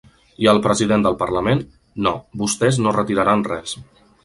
I el president del parlament: No, vostès no retiraran res.